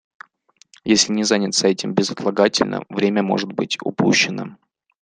Если не заняться этим безотлагательно, время может быть упущено.